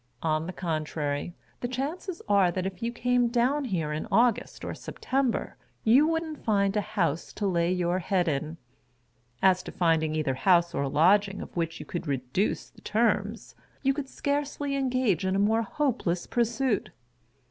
On the contrary, the chances are that if you came down here in August or Septemlx»r, you wouldn't find a house to lay your head in. As to finding either house or lodging of which you could reduce the terms, you could scarcely engage in a more hopeless pursuit.